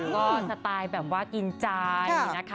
ก็สไตล์แบบว่ากินใจนะคะ